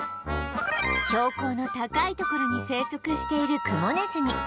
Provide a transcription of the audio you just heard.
標高の高い所に生息しているクモネズミ